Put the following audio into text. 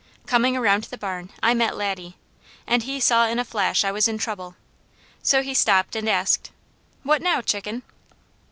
Coming around the barn, I met Laddie, and he saw in a flash I was in trouble, so he stopped and asked: "What now, Chicken?"